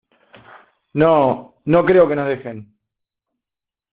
no... no creo que nos dejen .